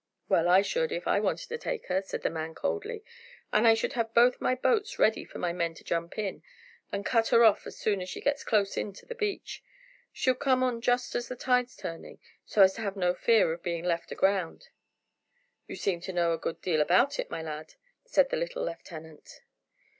"Well, I should, if I wanted to take her," said the man coldly. "And I should have both my boats ready for my men to jump in, and cut her off as soon as she gets close in to the beach. She'll come on just as the tide's turning, so as to have no fear of being left aground." "You seem to know a good deal about it, my lad?" said the little lieutenant.